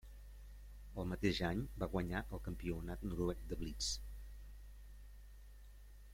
El mateix any, va guanyar el campionat noruec de blitz.